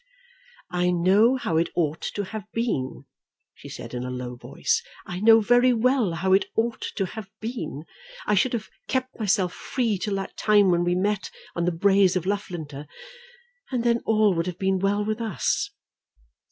"I know how it ought to have been," she said, in a low voice. "I know very well how it ought to have been. I should have kept myself free till that time when we met on the braes of Loughlinter, and then all would have been well with us."